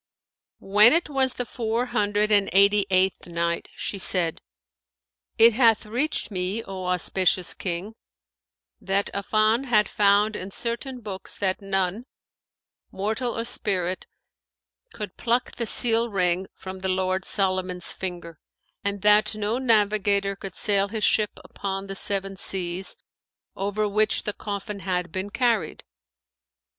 When it was the Four Hundred and Eighty eighth Night, She said, It hath reached me, O auspicious King, that "Affan had found in certain books that none, mortal or spirit, could pluck the seal ring from the lord Solomon's finger; and that no navigator could sail his ship upon the Seven Seas over which the coffin had been carried.